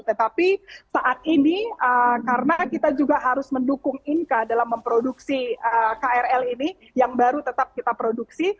tetapi saat ini karena kita juga harus mendukung inka dalam memproduksi krl ini yang baru tetap kita produksi